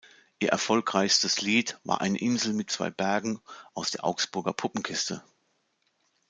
Ihr erfolgreichstes Lied war "Eine Insel mit zwei Bergen" aus der "Augsburger Puppenkiste".